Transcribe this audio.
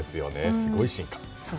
すごい進化。